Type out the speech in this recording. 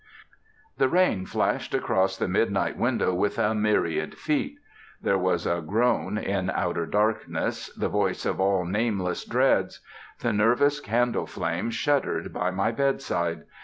The rain flashed across the midnight window with a myriad feet. There was a groan in outer darkness, the voice of all nameless dreads. The nervous candle flame shuddered by my bedside.